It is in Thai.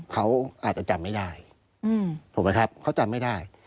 เขาอาจจะจำไม่ได้ถูกไหมครับเขาจำไม่ได้